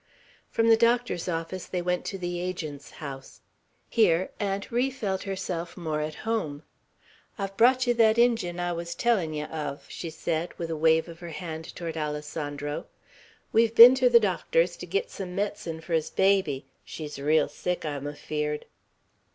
From the doctor's office they went to the Agent's house. Here, Aunt Ri felt herself more at home. "I've brought ye thet Injun I wuz tellin' ye uv," she said, with a wave of her hand toward Alessandro. "We've ben ter ther doctor's to git some metcen fur his baby. She's reel sick, I'm afeerd."